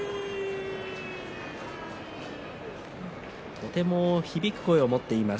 とても響く声を持っています。